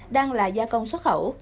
đang là gia công xuất khẩu